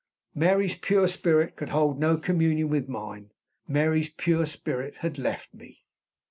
Mary's pure spirit could hold no communion with mine; Mary's pure spirit had left me.